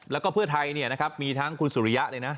แล้วก็เพื่อไทยมีทั้งคุณสุริยะเลยนะ